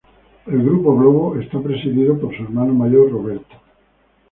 El Grupo Globo es presidido por su hermano mayor Roberto.